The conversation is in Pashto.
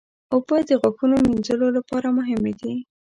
اوبه د غاښونو مینځلو لپاره مهمې دي.